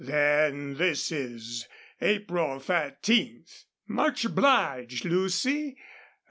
Then this is April thirteenth. Much obliged, Lucy.